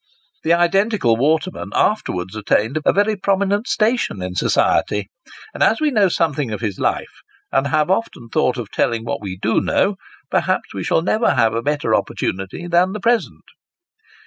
This identical waterman afterwards attained a very prominent station in society ; and as we know something of his life, and have often thought of telling what we do know, perhaps we shall never have a better opportunity than the present.